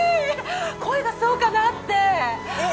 声がそうかなってえっ？